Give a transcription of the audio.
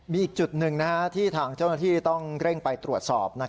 มีอีกจุดหนึ่งที่ทางเจ้าหน้าที่ต้องเร่งไปตรวจสอบ